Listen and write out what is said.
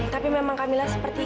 tapi memang kamilah seperti itu